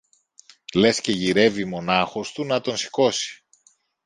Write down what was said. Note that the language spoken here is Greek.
Λες και γυρεύει μονάχος του να τον σηκώσει.